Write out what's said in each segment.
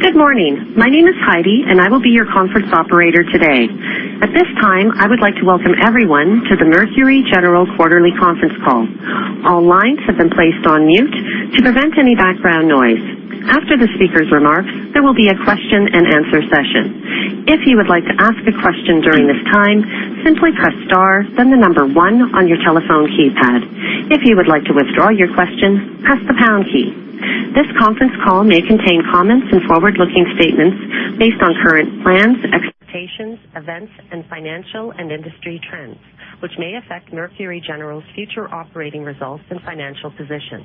Good morning. My name is Heidi. I will be your conference operator today. At this time, I would like to welcome everyone to the Mercury General quarterly conference call. All lines have been placed on mute to prevent any background noise. After the speaker's remarks, there will be a question-and-answer session. If you would like to ask a question during this time, simply press star then the number one on your telephone keypad. If you would like to withdraw your question, press the pound key. This conference call may contain comments and forward-looking statements based on current plans, expectations, events, and financial and industry trends, which may affect Mercury General's future operating results and financial position.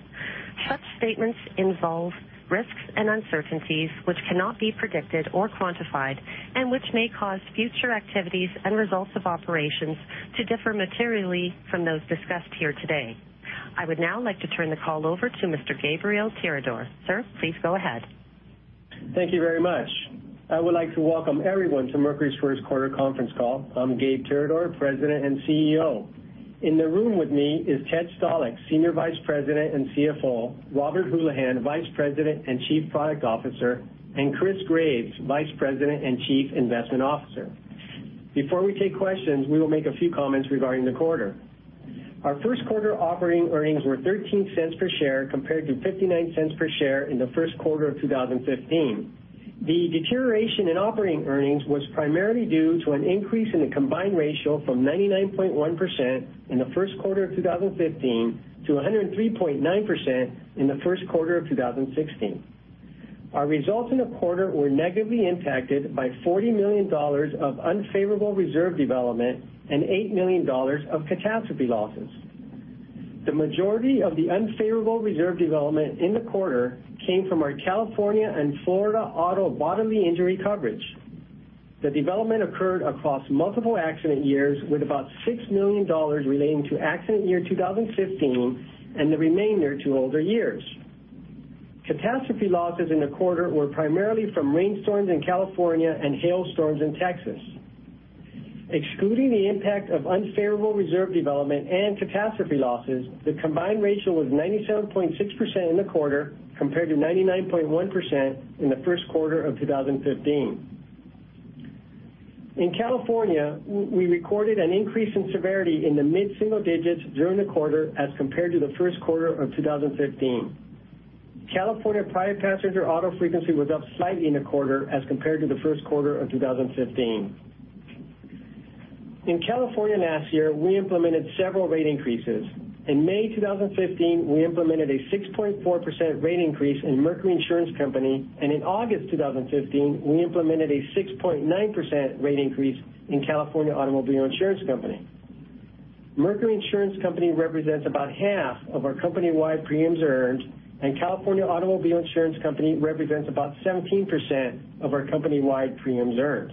Such statements involve risks and uncertainties which cannot be predicted or quantified, and which may cause future activities and results of operations to differ materially from those discussed here today. I would now like to turn the call over to Mr. Gabriel Tirador. Sir, please go ahead. Thank you very much. I would like to welcome everyone to Mercury's first quarter conference call. I'm Gabe Tirador, President and CEO. In the room with me is Ted Stalick, Senior Vice President and CFO, Robert Houlahan, Vice President and Chief Product Officer, and Chris Graves, Vice President and Chief Investment Officer. Before we take questions, we will make a few comments regarding the quarter. Our first quarter operating earnings were $0.13 per share compared to $0.59 per share in the first quarter of 2015. The deterioration in operating earnings was primarily due to an increase in the combined ratio from 99.1% in the first quarter of 2015 to 103.9% in the first quarter of 2016. Our results in the quarter were negatively impacted by $40 million of unfavorable reserve development and $8 million of catastrophe losses. The majority of the unfavorable reserve development in the quarter came from our California and Florida auto bodily injury coverage. The development occurred across multiple accident years, with about $6 million relating to accident year 2015 and the remainder to older years. Catastrophe losses in the quarter were primarily from rainstorms in California and hailstorms in Texas. Excluding the impact of unfavorable reserve development and catastrophe losses, the combined ratio was 97.6% in the quarter, compared to 99.1% in the first quarter of 2015. In California, we recorded an increase in severity in the mid-single digits during the quarter as compared to the first quarter of 2015. California private passenger auto frequency was up slightly in the quarter as compared to the first quarter of 2015. In California last year, we implemented several rate increases. In May 2015, we implemented a 6.4% rate increase in Mercury Insurance Company, and in August 2015, we implemented a 6.9% rate increase in California Automobile Insurance Company. Mercury Insurance Company represents about half of our company-wide premiums earned, and California Automobile Insurance Company represents about 17% of our company-wide premiums earned.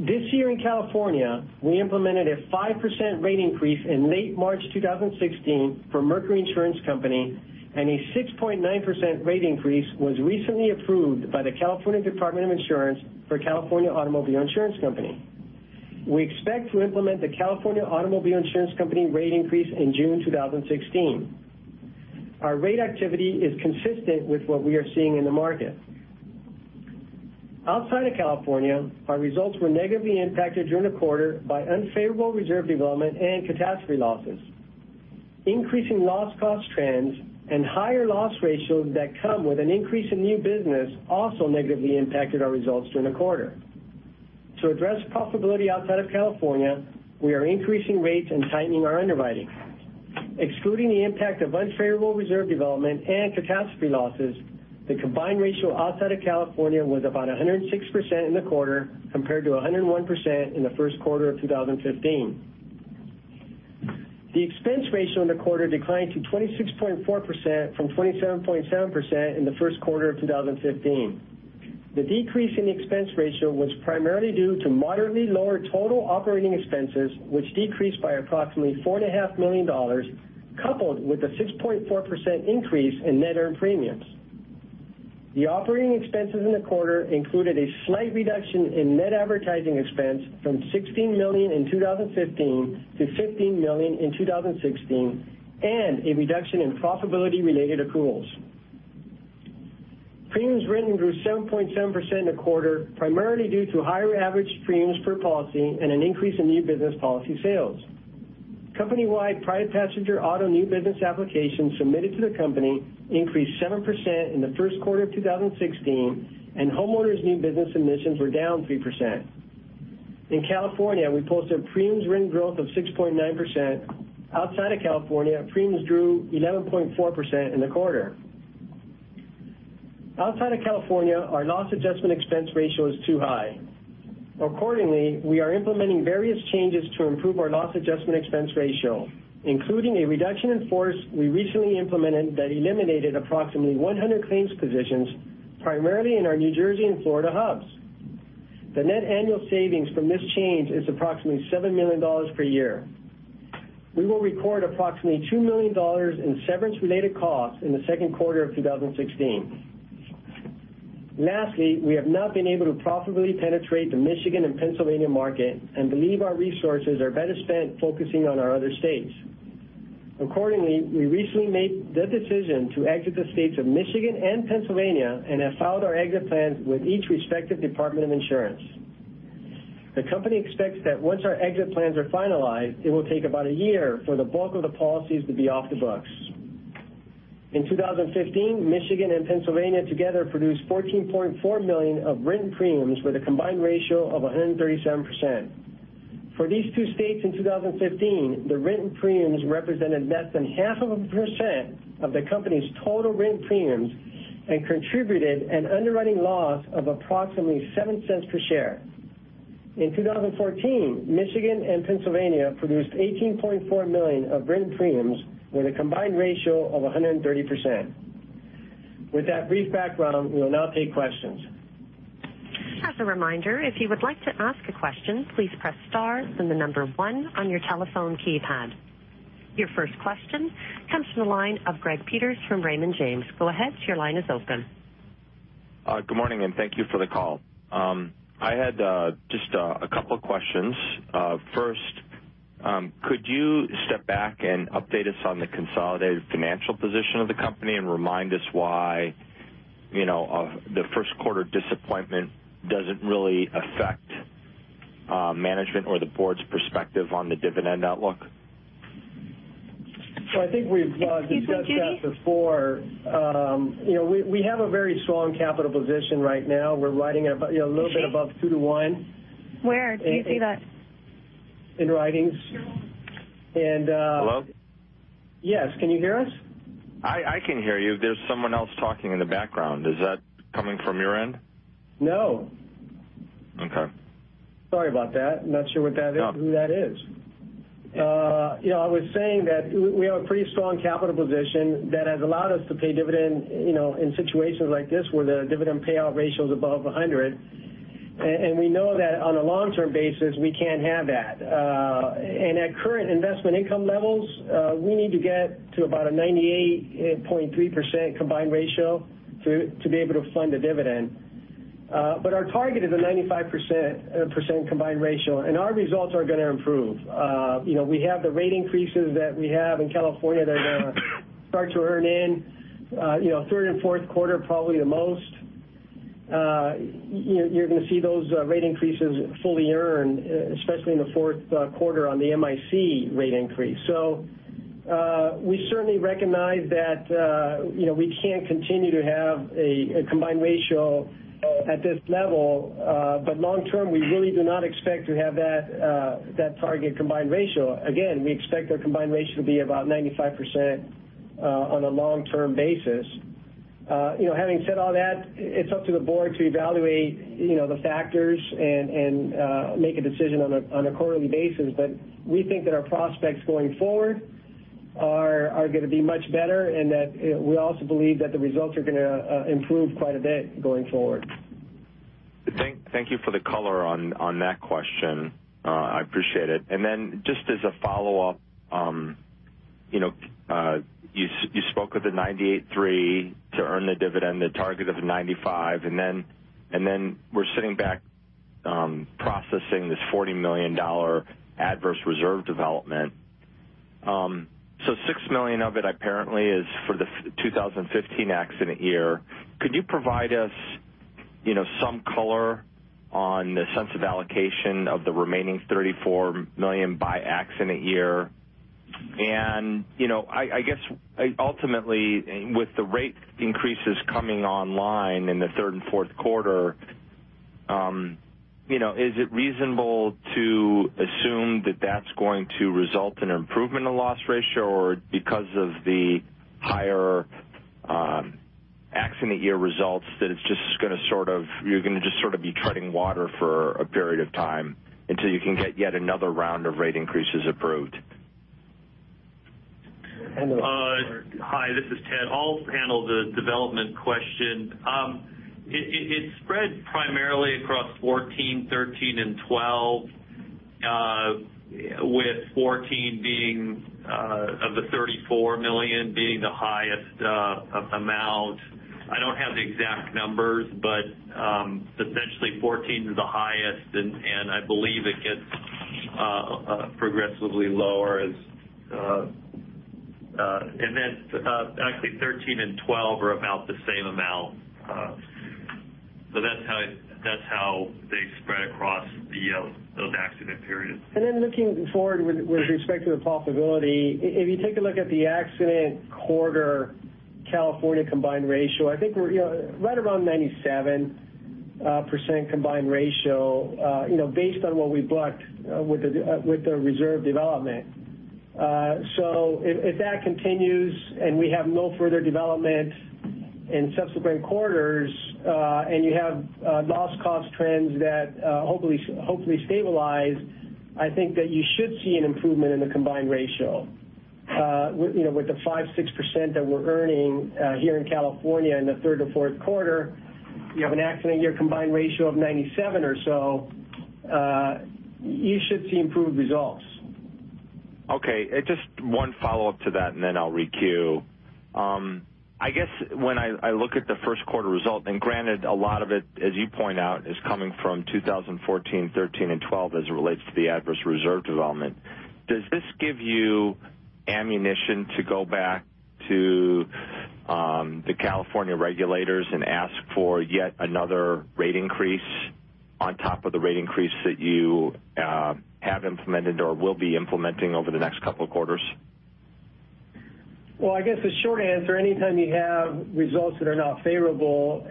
This year in California, we implemented a 5% rate increase in late March 2016 for Mercury Insurance Company, and a 6.9% rate increase was recently approved by the California Department of Insurance for California Automobile Insurance Company. We expect to implement the California Automobile Insurance Company rate increase in June 2016. Our rate activity is consistent with what we are seeing in the market. Outside of California, our results were negatively impacted during the quarter by unfavorable reserve development and catastrophe losses. Increasing loss cost trends and higher loss ratios that come with an increase in new business also negatively impacted our results during the quarter. To address profitability outside of California, we are increasing rates and tightening our underwriting. Excluding the impact of unfavorable reserve development and catastrophe losses, the combined ratio outside of California was about 106% in the quarter, compared to 101% in the first quarter of 2015. The expense ratio in the quarter declined to 26.4% from 27.7% in the first quarter of 2015. The decrease in the expense ratio was primarily due to moderately lower total operating expenses, which decreased by approximately four and a half million dollars, coupled with a 6.4% increase in net earned premiums. The operating expenses in the quarter included a slight reduction in net advertising expense from $16 million in 2015 to $15 million in 2016, and a reduction in profitability-related accruals. Premiums written grew 7.7% in the quarter, primarily due to higher average premiums per policy and an increase in new business policy sales. Company-wide, private passenger auto new business applications submitted to the company increased 7% in the first quarter of 2016, and homeowners new business submissions were down 3%. In California, we posted premiums written growth of 6.9%. Outside of California, premiums drew 11.4% in the quarter. Outside of California, our loss adjustment expense ratio is too high. Accordingly, we are implementing various changes to improve our loss adjustment expense ratio, including a reduction in force we recently implemented that eliminated approximately 100 claims positions, primarily in our New Jersey and Florida hubs. The net annual savings from this change is approximately $7 million per year. We will record approximately $2 million in severance-related costs in the second quarter of 2016. Lastly, we have not been able to profitably penetrate the Michigan and Pennsylvania market and believe our resources are better spent focusing on our other states. Accordingly, we recently made the decision to exit the states of Michigan and Pennsylvania and have filed our exit plans with each respective Department of Insurance. The company expects that once our exit plans are finalized, it will take about a year for the bulk of the policies to be off the books. In 2015, Michigan and Pennsylvania together produced $14.4 million of written premiums with a combined ratio of 137%. For these two states in 2015, the written premiums represented less than half of a percent of the company's total written premiums and contributed an underwriting loss of approximately $0.07 per share. In 2014, Michigan and Pennsylvania produced $18.4 million of written premiums with a combined ratio of 130%. With that brief background, we will now take questions. As a reminder, if you would like to ask a question, please press star, then the number one on your telephone keypad. Your first question comes from the line of Greg Peters from Raymond James. Go ahead, your line is open. Good morning, thank you for the call. I had just a couple questions. First, could you step back and update us on the consolidated financial position of the company and remind us why the first quarter disappointment doesn't really affect management or the board's perspective on the dividend outlook? I think we've discussed that before. We have a very strong capital position right now. We're riding a little bit above two to one. Where do you see that? In writings. Hello? Yes. Can you hear us? I can hear you. There's someone else talking in the background. Is that coming from your end? No. Okay. Sorry about that. I'm not sure who that is. I was saying that we have a pretty strong capital position that has allowed us to pay dividend in situations like this where the dividend payout ratio is above 100%. We know that on a long-term basis, we can't have that. At current investment income levels, we need to get to about a 98.3% combined ratio to be able to fund a dividend. Our target is a 95% combined ratio, and our results are going to improve. We have the rate increases that we have in California that are going to start to earn in third and fourth quarter, probably the most. You're going to see those rate increases fully earned, especially in the fourth quarter on the MIC rate increase. We certainly recognize that we can't continue to have a combined ratio at this level. Long-term, we really do not expect to have that target combined ratio. Again, we expect our combined ratio to be about 95% on a long-term basis. Having said all that, it's up to the board to evaluate the factors and make a decision on a quarterly basis. We think that our prospects going forward are going to be much better and that we also believe that the results are going to improve quite a bit going forward. Thank you for the color on that question. I appreciate it. Just as a follow-up, you spoke of the 98.3 to earn the dividend, the target of 95, and we're sitting back processing this $40 million adverse reserve development. $6 million of it apparently is for the 2015 accident year. Could you provide us some color on the sense of allocation of the remaining $34 million by accident year? I guess ultimately, with the rate increases coming online in the third and fourth quarter, is it reasonable to assume that that's going to result in an improvement in loss ratio or because of the higher accident year results, that you're going to just sort of be treading water for a period of time until you can get yet another round of rate increases approved? I'll hand it off to Ted. Hi, this is Ted. I'll handle the development question. It spread primarily across 2014, 2013, and 2012, with 2014, of the $34 million, being the highest amount. I don't have the exact numbers, but essentially 2014 is the highest, and I believe it gets progressively lower. Actually 2013 and 2012 are about the same amount. That's how they spread across those accident periods. Looking forward with respect to the profitability, if you take a look at the accident quarter California combined ratio, I think we're right around 97% combined ratio based on what we booked with the reserve development. If that continues and we have no further development in subsequent quarters and you have loss cost trends that hopefully stabilize, I think that you should see an improvement in the combined ratio. With the 5%-6% that we're earning here in California in the third or fourth quarter, you have an accident year combined ratio of 97 or so, you should see improved results. Okay. Just one follow-up to that. I'll requeue. I guess when I look at the first quarter result, granted, a lot of it, as you point out, is coming from 2014, 2013, and 2012 as it relates to the adverse reserve development. Does this give you ammunition to go back to the California regulators and ask for yet another rate increase on top of the rate increase that you have implemented or will be implementing over the next couple of quarters? Well, I guess the short answer, anytime you have results that are not favorable,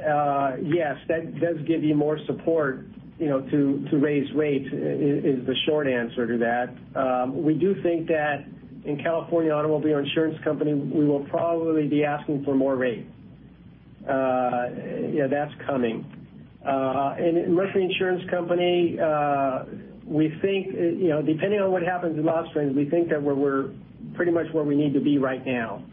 yes, that does give you more support to raise rates, is the short answer to that. We do think that in California Automobile Insurance Company, we will probably be asking for more rates. Yeah, that's coming. In Mercury Insurance Company, depending on what happens in loss trends, we think that we're pretty much where we need to be right now.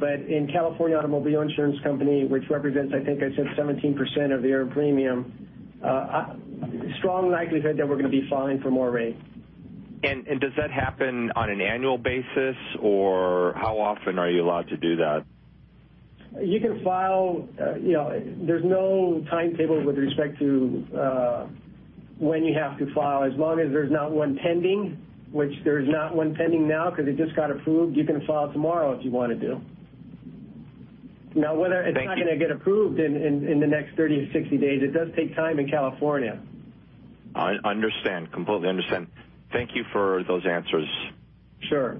In California Automobile Insurance Company, which represents, I think I said 17% of the earned premium, strong likelihood that we're going to be filing for more rates. Does that happen on an annual basis, or how often are you allowed to do that? There's no timetable with respect to when you have to file. As long as there's not one pending, which there's not one pending now because it just got approved, you can file tomorrow if you want to. Thank you it's not going to get approved in the next 30 or 60 days. It does take time in California. I understand. Completely understand. Thank you for those answers. Sure.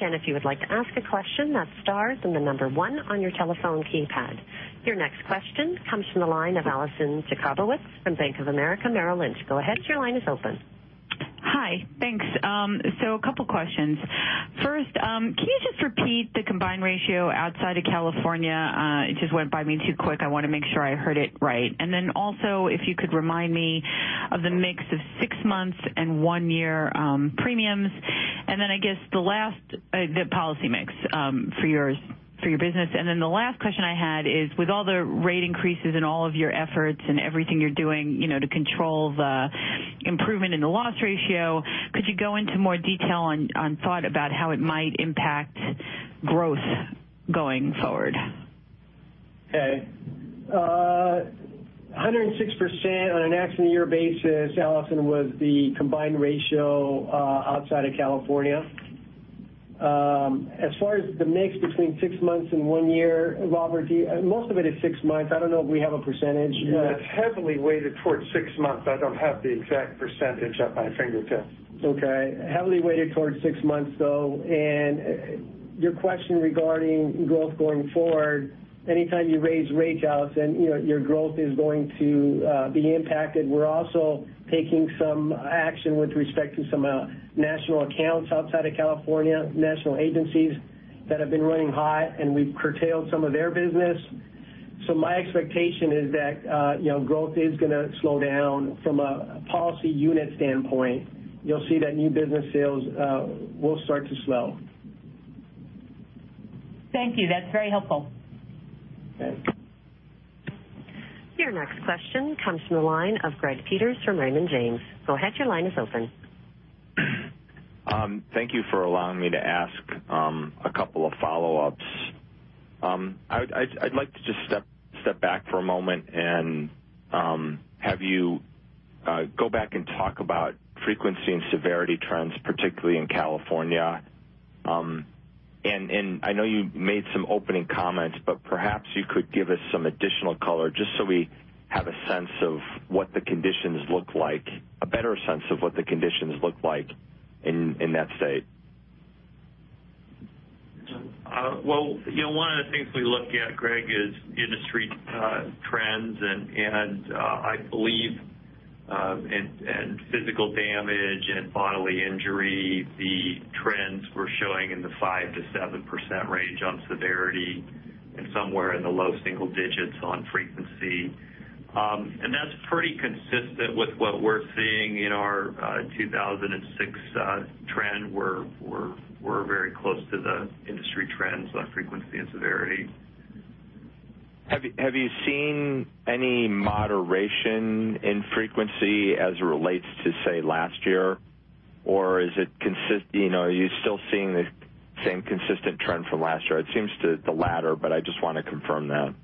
If you would like to ask a question, that's star and the number 1 on your telephone keypad. Your next question comes from the line of Allison Jakubowicz from Bank of America Merrill Lynch. Go ahead, your line is open. Hi. Thanks. A couple questions. First, can you just repeat the combined ratio outside of California? It just went by me too quick. I want to make sure I heard it right. Also, if you could remind me of the mix of six months and one-year premiums. I guess the policy mix for your business, the last question I had is, with all the rate increases and all of your efforts and everything you're doing to control the improvement in the loss ratio, could you go into more detail on thought about how it might impact growth going forward? Okay. 106% on an accident year basis, Allison, was the combined ratio outside of California. As far as the mix between six months and one year, Robert, most of it is six months. I don't know if we have a percentage. It's heavily weighted towards six months. I don't have the exact percentage at my fingertips. Okay. Heavily weighted towards six months, though. Your question regarding growth going forward, anytime you raise rates, Allison, your growth is going to be impacted. We're also taking some action with respect to some national accounts outside of California, national agencies that have been running high, and we've curtailed some of their business. My expectation is that growth is going to slow down from a policy unit standpoint. You'll see that new business sales will start to slow. Thank you. That's very helpful. Okay. Your next question comes from the line of Greg Peters from Raymond James. Go ahead, your line is open. Thank you for allowing me to ask a couple of follow-ups. I'd like to just step back for a moment and have you go back and talk about frequency and severity trends, particularly in California. I know you made some opening comments, but perhaps you could give us some additional color, just so we have a sense of what the conditions look like, a better sense of what the conditions look like in that state. Well, one of the things we look at, Greg, is industry trends and I believe, and physical damage and bodily injury, the trends we're showing in the 5%-7% range on severity, and somewhere in the low single digits on frequency. That's pretty consistent with what we're seeing in our 2016 trend. We're very close to the industry trends on frequency and severity. Have you seen any moderation in frequency as it relates to, say, last year? Are you still seeing the same consistent trend from last year? It seems to the latter, but I just want to confirm that.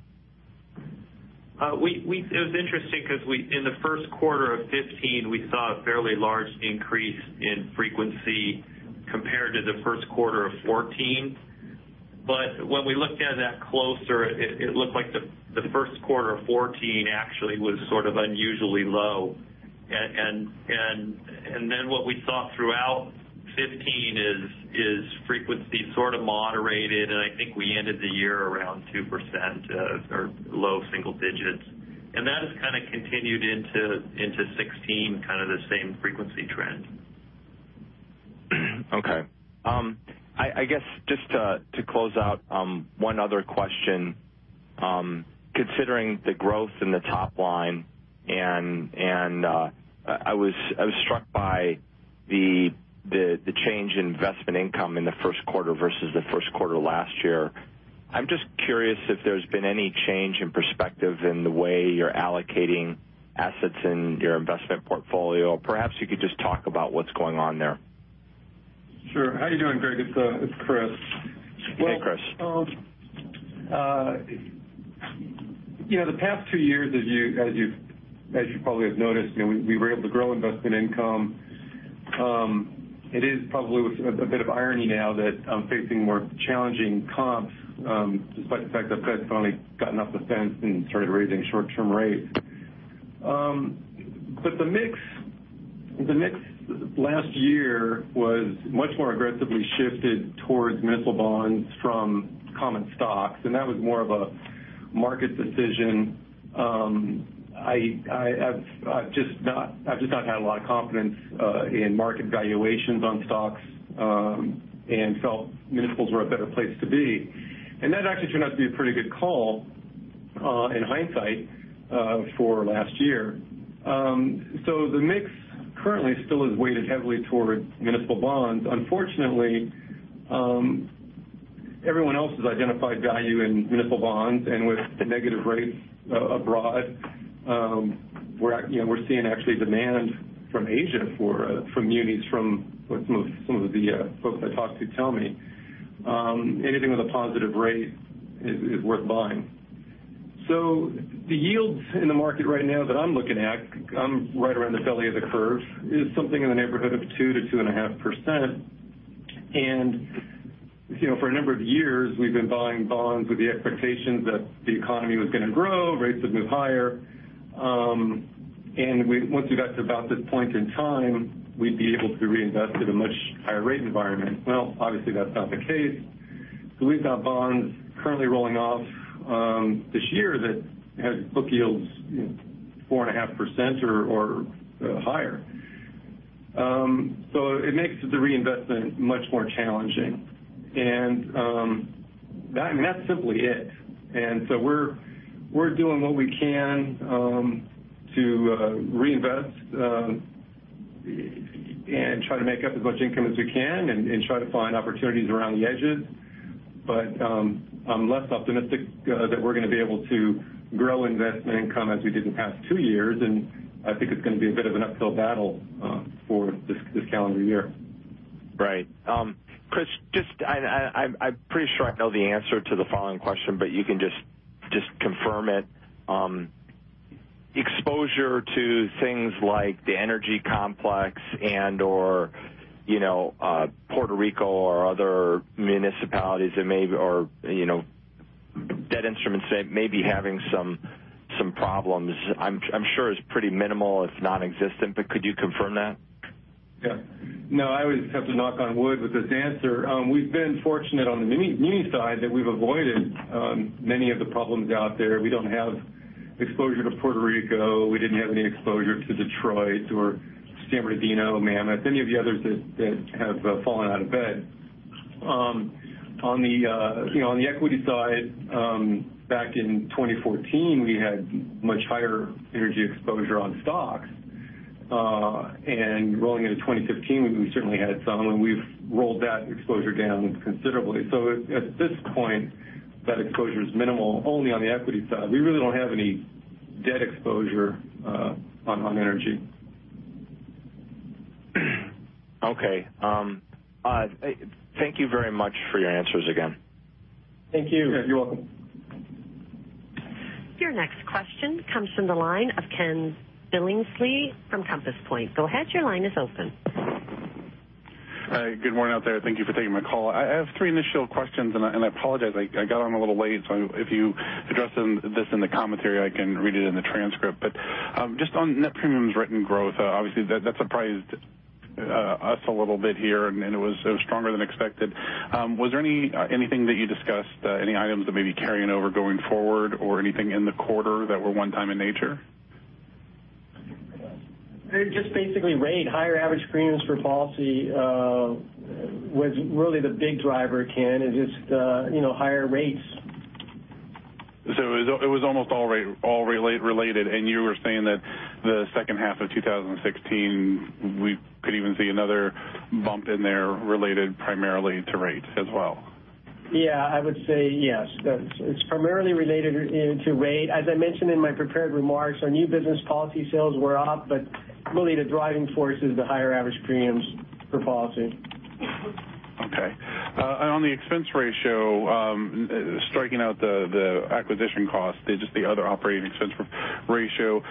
It was interesting because in the first quarter of 2015, we saw a fairly large increase in frequency compared to the first quarter of 2014. When we looked at that closer, it looked like the first quarter of 2014 actually was sort of unusually low. What we saw throughout 2015 is frequency sort of moderated, and I think we ended the year around 2% or low single digits. That has kind of continued into 2016, kind of the same frequency trend. Okay. I guess, just to close out, one other question. Considering the growth in the top line, I was struck by the change in investment income in the first quarter versus the first quarter last year. I'm just curious if there's been any change in perspective in the way you're allocating assets in your investment portfolio, or perhaps you could just talk about what's going on there. Sure. How you doing, Greg? It's Chris. Hey, Chris. The past two years, as you probably have noticed, we were able to grow investment income. It is probably with a bit of irony now that I'm facing more challenging comps, despite the fact the Fed's finally gotten off the fence and started raising short-term rates. The mix last year was much more aggressively shifted towards municipal bonds from common stocks, and that was more of a market decision. I've just not had a lot of confidence in market valuations on stocks, and felt municipals were a better place to be. That actually turned out to be a pretty good call, in hindsight, for last year. The mix currently still is weighted heavily towards municipal bonds. Unfortunately, everyone else has identified value in municipal bonds, and with negative rates abroad, we're seeing actually demand from Asia for munis from what some of the folks I talk to tell me. Anything with a positive rate is worth buying. The yields in the market right now that I'm looking at, I'm right around the belly of the curve, is something in the neighborhood of 2%-2.5%. For a number of years, we've been buying bonds with the expectations that the economy was going to grow, rates would move higher, and once we got to about this point in time, we'd be able to reinvest at a much higher rate environment. Well, obviously that's not the case. We've got bonds currently rolling off this year that had book yields 4.5% or higher. It makes the reinvestment much more challenging. That's simply it. We're doing what we can to reinvest, and try to make up as much income as we can, and try to find opportunities around the edges. I'm less optimistic that we're going to be able to grow investment income as we did the past two years, and I think it's going to be a bit of an uphill battle for this calendar year. Right. Chris, I'm pretty sure I know the answer to the following question. You can just confirm it. Exposure to things like the energy complex and/or Puerto Rico or other municipalities, or debt instruments may be having some problems. I'm sure it's pretty minimal, it's nonexistent, could you confirm that? Yeah. No, I always have to knock on wood with this answer. We've been fortunate on the muni side that we've avoided many of the problems out there. We don't have exposure to Puerto Rico. We didn't have any exposure to Detroit or San Bernardino, Mammoth, any of the others that have fallen out of bed. On the equity side, back in 2014, we had much higher energy exposure on stocks. Rolling into 2015, we certainly had some, and we've rolled that exposure down considerably. At this point, that exposure is minimal only on the equity side. We really don't have any debt exposure on energy. Okay. Thank you very much for your answers again. Thank you. Yeah, you're welcome. Your next question comes from the line of Ken Billingsley from Compass Point. Go ahead, your line is open. Hi, good morning out there. Thank you for taking my call. I have three initial questions. I apologize, I got on a little late, so if you addressed this in the commentary, I can read it in the transcript. Just on net premiums written growth, obviously that surprised us a little bit here, and it was stronger than expected. Was there anything that you discussed, any items that may be carrying over going forward or anything in the quarter that were one time in nature? It just basically higher average premiums per policy was really the big driver, Ken, is just higher rates. It was almost all related. You were saying that the second half of 2016, we could even see another bump in there related primarily to rates as well. Yeah, I would say yes. It's primarily related to rate. As I mentioned in my prepared remarks, our new business policy sales were up, really the driving force is the higher average premiums per policy. On the expense ratio, striking out the acquisition cost, just the other operating expense ratio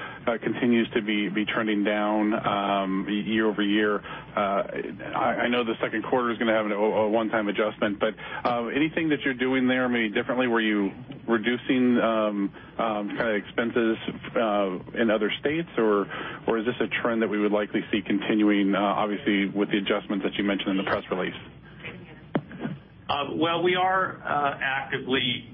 continues to be trending down year-over-year. I know the second quarter's going to have a one-time adjustment, anything that you're doing there maybe differently? Were you reducing expenses in other states, or is this a trend that we would likely see continuing, obviously, with the adjustments that you mentioned in the press release? Well, we are actively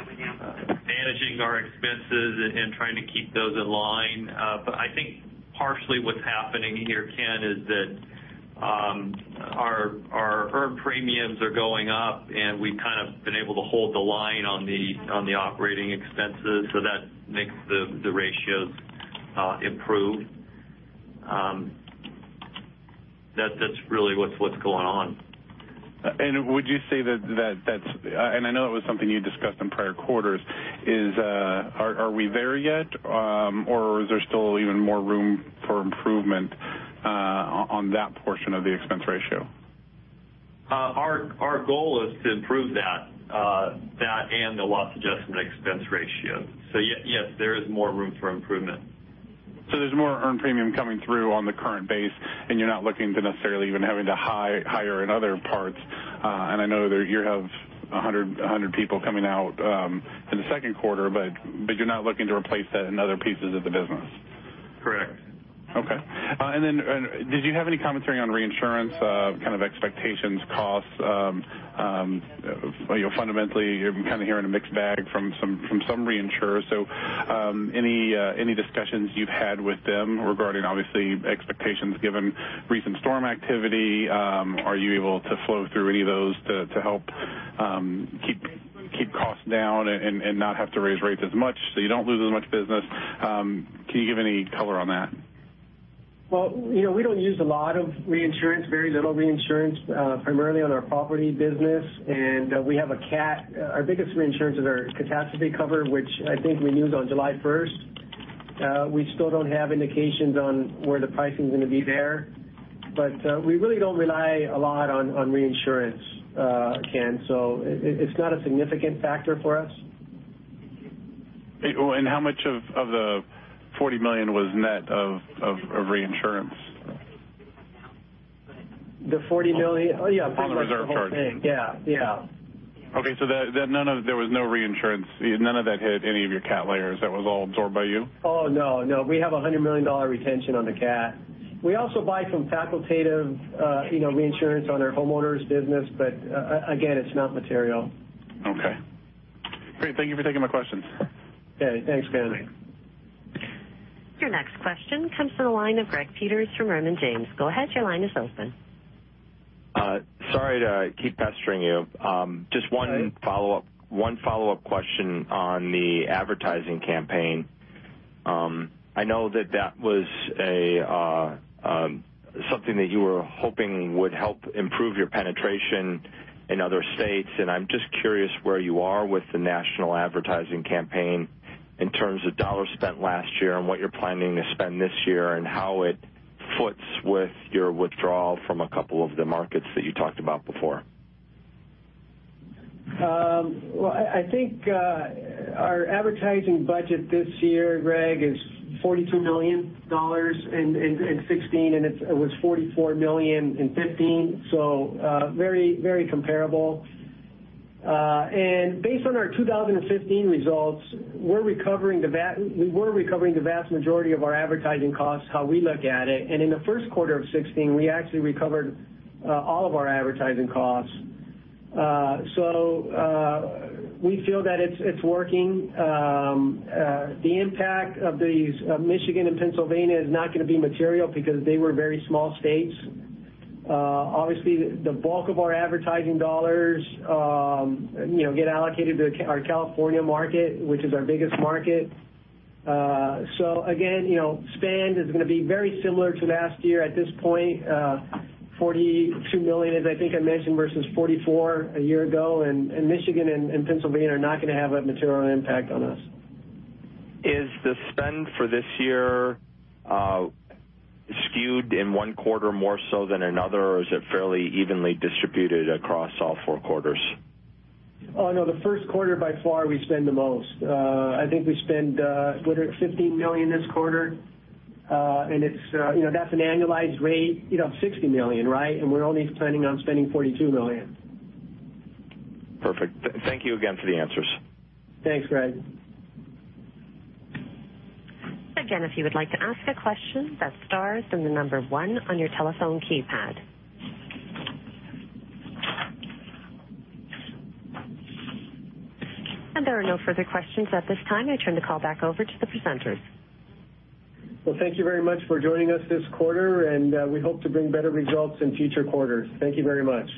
managing our expenses and trying to keep those in line. I think partially what's happening here, Ken, is that our earned premiums are going up, and we've kind of been able to hold the line on the operating expenses, so that makes the ratios improve. That's really what's going on. Would you say that that's, and I know it was something you discussed in prior quarters, are we there yet? Is there still even more room for improvement on that portion of the expense ratio? Our goal is to improve that and the loss adjustment expense ratio. Yes, there is more room for improvement. There's more earned premium coming through on the current base, and you're not looking to necessarily even having to hire in other parts. I know that you have 100 people coming out in the second quarter, but you're not looking to replace that in other pieces of the business. Correct. Okay. Did you have any commentary on reinsurance, kind of expectations, costs? Fundamentally, you're kind of hearing a mixed bag from some reinsurers. Any discussions you've had with them regarding, obviously, expectations given recent storm activity? Are you able to flow through any of those to help keep costs down and not have to raise rates as much? You don't lose as much business? Can you give any color on that? We don't use a lot of reinsurance, very little reinsurance, primarily on our property business. Our biggest reinsurance is our catastrophe cover, which I think renews on July 1st. We still don't have indications on where the pricing's going to be there. We really don't rely a lot on reinsurance, Ken, so it's not a significant factor for us. how much of the $40 million was net of reinsurance? The $40 million? Oh, yeah. On the reserve charges. Pretty much the whole thing. Yeah. Okay, there was no reinsurance. None of that hit any of your cat layers. That was all absorbed by you? Oh, no. We have a $100 million retention on the cat. We also buy from facultative reinsurance on our homeowners business. Again, it's not material. Okay. Great. Thank you for taking my questions. Okay. Thanks, Ken. Your next question comes to the line of Greg Peters from Raymond James. Go ahead, your line is open. Sorry to keep pestering you. That's all right. Just one follow-up question on the advertising campaign. I know that that was something that you were hoping would help improve your penetration in other states, and I'm just curious where you are with the national advertising campaign in terms of dollars spent last year and what you're planning to spend this year, and how it foots with your withdrawal from a couple of the markets that you talked about before. I think our advertising budget this year, Greg, is $42 million in 2016, and it was $44 million in 2015, very comparable. Based on our 2015 results, we're recovering the vast majority of our advertising costs, how we look at it. In the first quarter of 2016, we actually recovered all of our advertising costs. We feel that it's working. The impact of these, Michigan and Pennsylvania, is not going to be material because they were very small states. Obviously, the bulk of our advertising dollars get allocated to our California market, which is our biggest market. Again, spend is going to be very similar to last year at this point. $42 million, as I think I mentioned, versus $44 million a year ago. Michigan and Pennsylvania are not going to have a material impact on us. Is the spend for this year skewed in one quarter more so than another, or is it fairly evenly distributed across all four quarters? No, the first quarter, by far, we spend the most. I think we spend, what is it, $15 million this quarter? That's an annualized rate, $60 million, right? We're only planning on spending $42 million. Perfect. Thank you again for the answers. Thanks, Greg. Again, if you would like to ask a question, press star, then the number 1 on your telephone keypad. There are no further questions at this time. I turn the call back over to the presenters. Well, thank you very much for joining us this quarter, and we hope to bring better results in future quarters. Thank you very much.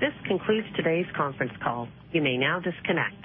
This concludes today's conference call. You may now disconnect.